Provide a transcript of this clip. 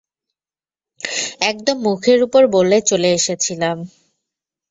একদম মুখের উপর বলে চলে এসেছিলাম।